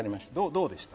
どうでした？